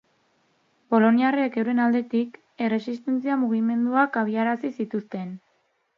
Poloniarrek, euren aldetik, erresistentzia-mugimenduak abiarazi zituzten.